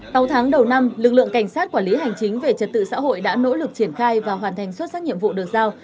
sau tháng đầu năm lực lượng cảnh sát quản lý hành chính về trật tự xã hội đã nỗ lực triển khai và hoàn thành xuất sắc nhiệm vụ được giao